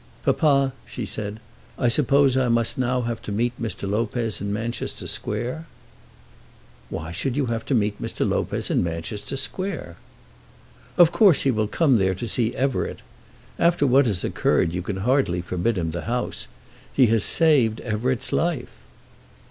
"Papa," she said, "I suppose I must now have to meet Mr. Lopez in Manchester Square?" "Why should you have to meet Mr. Lopez in Manchester Square?" "Of course he will come there to see Everett. After what has occurred you can hardly forbid him the house. He has saved Everett's life."